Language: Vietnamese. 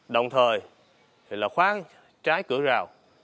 đồng thời khóa trái cửa rào